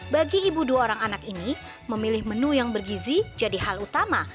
bagi ibu dua orang anak ini memilih menu yang bergizi jadi hal utama